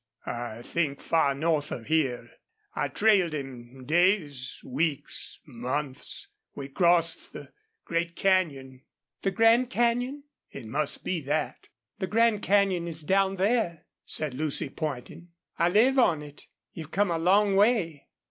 "I think far north of here. I trailed him days weeks months. We crossed the great canyon " "The Grand Canyon?" "It must be that." "The Grand Canyon is down there," said Lucy, pointing. "I live on it.... You've come a long way."